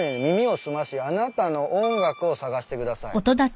「耳を澄ましあなたの音楽を探してください」